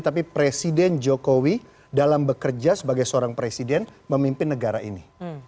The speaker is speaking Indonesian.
tapi presiden jokowi dalam bekerja sebagai seorang presiden memimpin negara ini